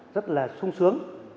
rất là sung sướng